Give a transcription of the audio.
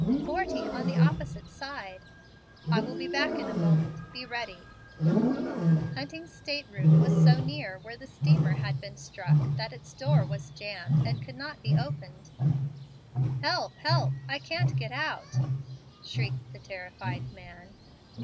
"Forty, on the opposite side." "I will be back in a moment; be ready." Hunting's state room was so near where the steamer had been struck that its door was jammed and could not be opened. "Help! help! I can't get out," shrieked the terrified man.